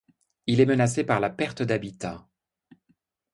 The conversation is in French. Il est menacé par la perte d'habitat.